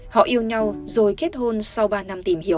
họ yêu nhau rồi kết hôn sau ba năm tìm hiểu